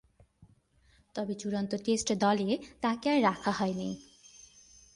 তবে চূড়ান্ত টেস্ট দলে তাকে আর রাখা হয়নি।